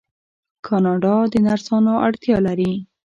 کاناډا د نرسانو اړتیا لري.